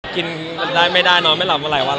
กินได้ไม่ได้นอนไม่หลับมาหลายวัน